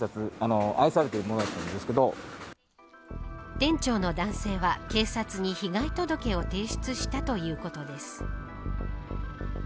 店長の男性は警察に被害届を提出したということです。